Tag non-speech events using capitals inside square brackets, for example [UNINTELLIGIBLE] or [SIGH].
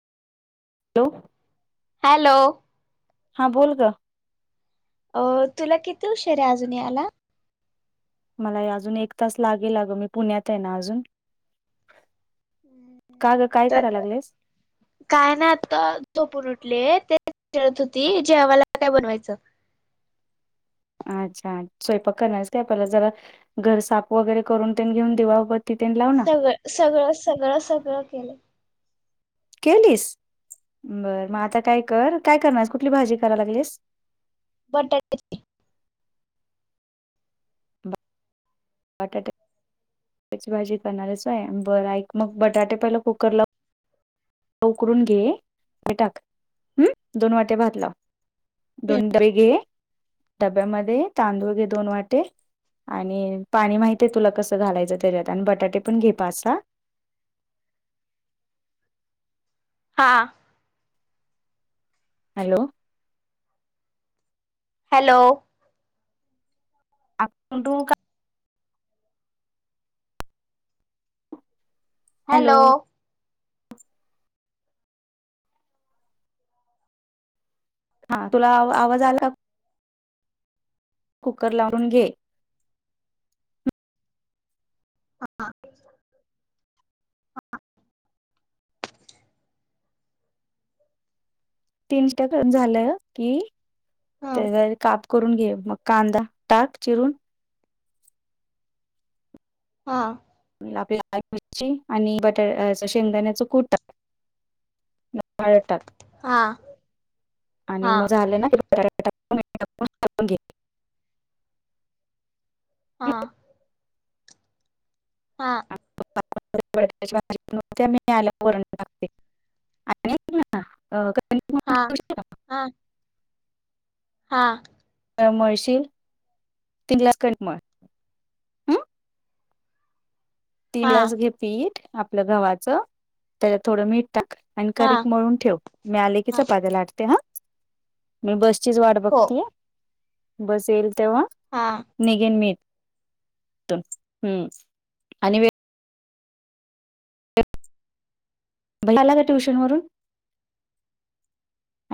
Hello. Hello! हा बोल ग. अ तुला किती शरा ही अजून आला? मला अजून ही एक तास लागेल अगं मी पुण्यात आहे ना अजून. का ग काय तर करा लागलेस? काय ना आता तोपून उठले ते खळत होती जेवायला काय बनवायचं. अच्छा स्वयपाक करणार आहेस का आपल्याला जरा घर साप वगैरे करून तेन घेऊन दिवाबत तवय सगळं सगळं सगळं केलं. केलीस बरं म आता काय कर काय करणारस कुठली भाजी करा लागलीस? बटाट. [UNINTELLIGIBLE] बटाट्याची भाजी करणार‌ हायस होय, बरं ऐक मग बटाटे पहिला कुकरला. उकरून घे आणि टाक हम् दोन वाटे भात लाव. दोन [UNINTELLIGIBLE] घे डब्यामध्ये तांदूळ घे दोन वाटे आणि पाणी माहित आहे तुला कसं घालायचं तेज्यात आणि बटाटे पण घे पाच साह. हा. हॅलो. हॅलो! [UNINTELLIGIBLE] हॅलो! हा तुला आवाज आला? कुकर लावून घे हा. तीन स्टक झालं की हा त्याजावरी काप करून घे मग कांदा टाक चिरून. हा. आपल्याईची [UNINTELLIGIBLE] आणि बटर अ अस शेंगदाण्याचं कुट. टाक. [UNINTELLIGIBLE] हा. आणि हा मग झालं ना. [UNINTELLIGIBLE] टाकून घे हा. हा. मळाते आणि. [UNINTELLIGIBLE] अ. [UNINTELLIGIBLE] हा हा. हा. म्हळशील तीनलास कडे म. [UNINTELLIGIBLE] हा तीलाच घे पीठ आपलं गव्हाचं त्याच्यात थोडं मीठ टाक आणि हा कारिक मळून ठेव मी आले की हा चपात्या लाटते हा. मी बसचीच वाट हो बघतेय बस येईल तेव्हा हा. निघेन मी. हम्म आणि वे. [UNINTELLIGIBLE] भैय्या आला का ट्युशन वरून?